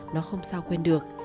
nó không sao quên được